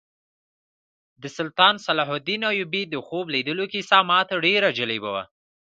د سلطان صلاح الدین ایوبي د خوب لیدلو کیسه ماته ډېره جالبه وه.